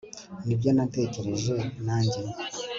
nibyo natekereje nanjye